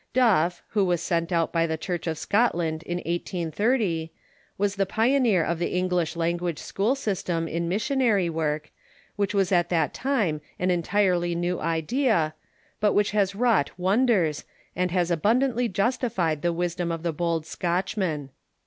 Duff, Avho was sent out by the Church of Scot land in 1830, was the pioneer of the English language school system in missionary work, which was at that time an entirely new idea, but which has wrought wonders, and has abundantly justified the wisdom of the bold Scotchman.